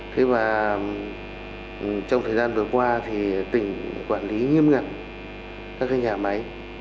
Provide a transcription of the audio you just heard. thế và trong thời gian vừa qua thì tỉnh quản lý nghiêm ngặt các nhà máy